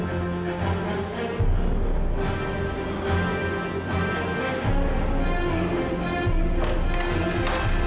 mau bikin pelepvaran saja di video selain